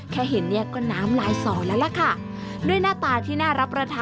ขอบคุณค่า